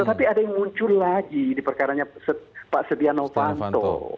tapi ada yang muncul lagi di perkaranya pak setia novanto